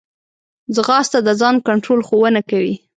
ځغاسته د ځان کنټرول ښوونه کوي